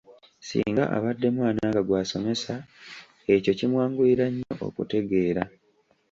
Singa abadde mwana nga gw’osomesa ekyo kimwanguyira nnyo okutegeera.